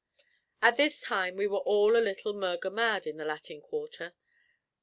At this time we were all a little Murger mad in the Latin Quarter.